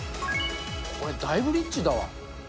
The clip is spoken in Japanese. これ、だいぶリッチだわ。